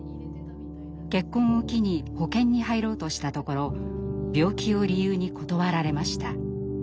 結婚を機に保険に入ろうとしたところ病気を理由に断られました。